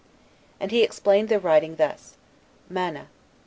And he explained the writing thus: "MANEH.